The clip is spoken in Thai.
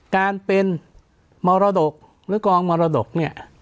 การเป็นมรดกหรือกองมรดกเนี่ย